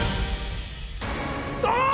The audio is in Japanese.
さあ！